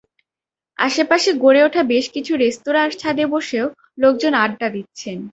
আশপাশে গড়ে ওঠা বেশ কিছু রেস্তোরাঁর ছাদে বসেও লোকজন আড্ডা দিচ্ছেন।